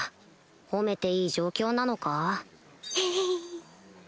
褒めていい状況なのか？ヘヘ！